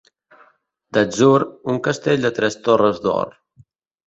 D'atzur, un castell de tres torres d'or.